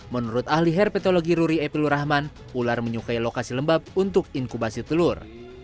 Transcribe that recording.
menurut ahli herpetologi ruri epilur rahman ular menyukai lokasi lembab untuk inkubasi telur